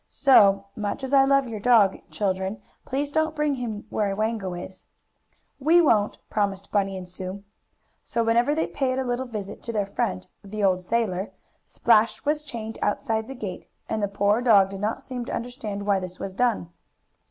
So, much as I love your dog, children, please don't bring him where Wango is." "We won't," promised Bunny and Sue. So, whenever they paid a little visit to their friend, the old sailor, Splash was chained outside the gate, and the poor dog did not seem to understand why this was done.